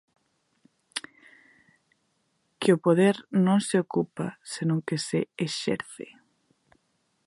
Que o poder non se ocupa senón que se exerce.